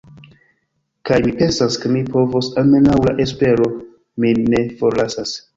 Kaj mi pensas, ke mi povos, almenaŭ la espero min ne forlasas.